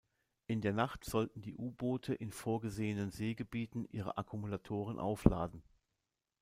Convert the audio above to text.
In der Nacht sollten die U-Boote in vorgesehenen Seegebieten ihre Akkumulatoren aufladen.